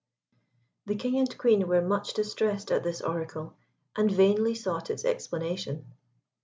The King and Queen were much distressed at this oracle, and vainly sought its explanation.